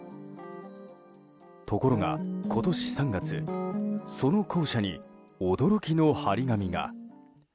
ところが、今年３月その校舎に驚きの貼り紙が。